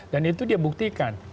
dan itu dia buktikan